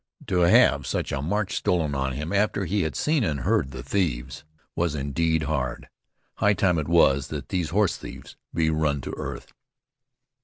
To have such a march stolen on him after he had heard and seen the thieves was indeed hard. High time it was that these horse thieves be run to earth.